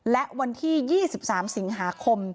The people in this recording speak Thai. และวันที่๒๓สิงหาคม